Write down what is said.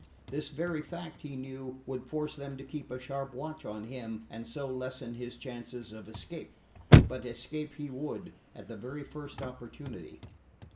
This very fact, he knew, would force them to keep a sharp watch upon him and so lessen his chances of escape. But escape he would, at the very first opportunity.